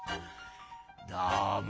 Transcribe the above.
どうも。